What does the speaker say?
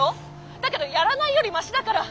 だけどやらないよりマシだから」。